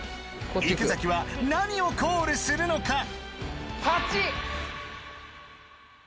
池崎は何をコールするのか？